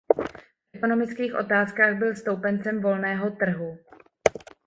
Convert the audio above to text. V ekonomických otázkách byl stoupencem volného trhu.